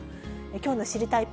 きょうの知りたいッ！